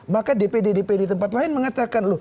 maka dpd dp di tempat lain mengatakan